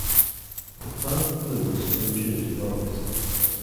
The plant blooms from June to August.